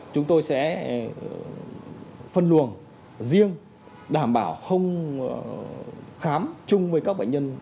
chúng tôi sẽ phân luồng riêng đảm bảo không khám chung với các bệnh nhân